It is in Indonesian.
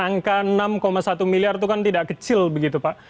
angka enam satu miliar itu kan tidak kecil begitu pak